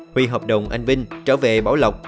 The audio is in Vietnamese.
huy hợp đồng anh vinh trở về bảo lộc